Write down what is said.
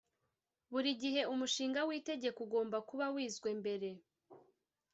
Buri gihe umushinga w’itegeko ugomba kuba wizwe mbere